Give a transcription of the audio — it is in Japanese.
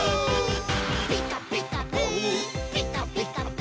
「ピカピカブ！ピカピカブ！」